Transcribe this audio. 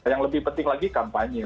yang lebih penting lagi kampanye